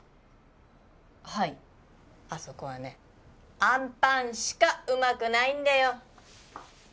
はいあそこはねあんぱんしかうまくないんだよ